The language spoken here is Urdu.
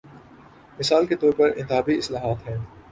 مثال کے طور پر انتخابی اصلاحات ہیں۔